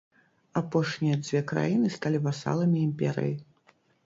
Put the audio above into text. Апошнія дзве краіны сталі васаламі імперыі.